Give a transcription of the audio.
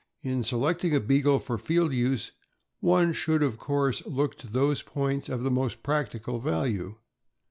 In selecting a Beagle for field use, one should of course look to those points of the most practical value.